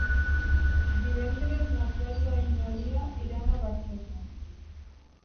Divendres na Cèlia i na Lia iran a Barxeta.